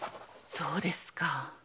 そうですか。